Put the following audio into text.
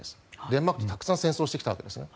デンマークとたくさん戦争してきたわけですね。